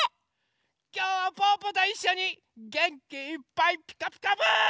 きょうはぽぅぽといっしょにげんきいっぱい「ピカピカブ！」。